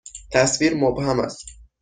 تصویر مبهم است.